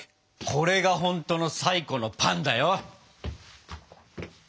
これがほんとの最古のパンだよ！